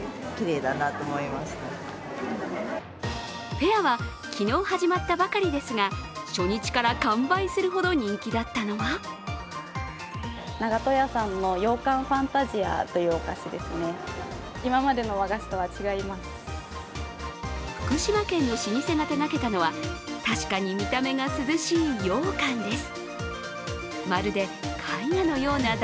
フェアは昨日始まったばかりですが初日から完売するほど人気だったのは福島県の老舗が手がけたのは確かに見た目が涼しいようかんです。